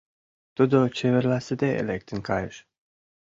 Тудо чеверласыде лектын кайыш.